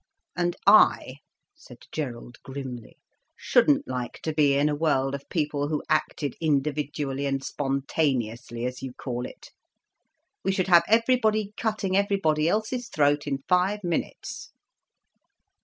"And I," said Gerald grimly, "shouldn't like to be in a world of people who acted individually and spontaneously, as you call it. We should have everybody cutting everybody else's throat in five minutes."